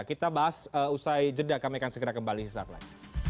kita bahas usai jeda kami akan segera kembali sesaat lagi